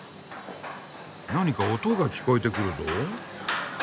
・何か音が聞こえてくるぞ。